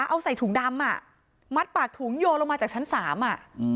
เอาใส่ถุงดำอ่ะมัดปากถุงโยนลงมาจากชั้นสามอ่ะอืม